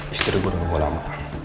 istri gue udah nunggu lama